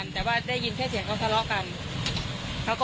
แล้วที่มันก็ไม่ใช่ที่มันก็ไม่ใช่